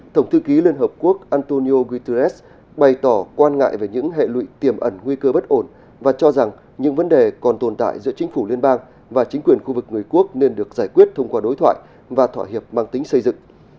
tổng thư ký liên hợp quốc antonio guterres bày tỏ quan ngại về những hệ lụy tiềm ẩn nguy cơ bất ổn và cho rằng những vấn đề còn tồn tại giữa chính phủ liên bang và chính quyền khu vực người quốc nên được giải quyết thông qua đối thoại và thỏa hiệp mang tính xây dựng